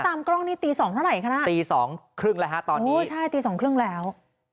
ตามกล้องนี้ตี๒เท่าไหร่คะตอนนี้ตี๒๓๐แล้ว